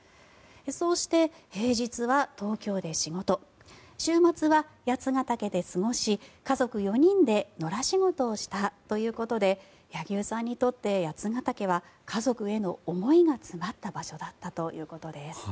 そうして、平日は東京で仕事週末は八ケ岳で過ごし家族４人で野良仕事をしたということで柳生さんにとって八ケ岳は家族への思いが詰まった場所だったということです。